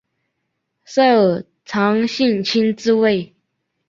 受长信卿之位。